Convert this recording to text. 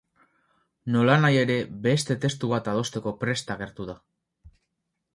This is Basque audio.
Nolanahi ere, beste testu bat adosteko prest agertu da.